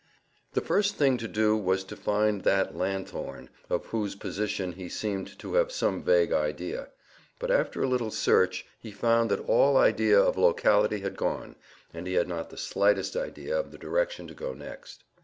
The first thing to do was to find that lanthorn, of whose position he seemed to have some vague idea; but, after a little search, he found that all idea of locality had gone, and he had not the slightest idea of the direction to go next.